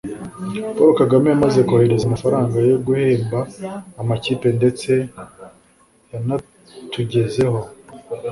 Paul Kagame yamaze kohereza amafaranga yo guhemba amakipe ndetse yanatugezeho